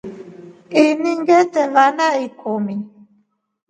Ini ngite vana ikumi.